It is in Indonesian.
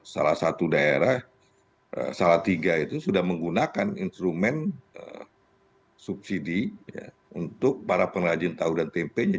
salah satu daerah salah tiga itu sudah menggunakan instrumen subsidi untuk para pengrajin tahu dan tempenya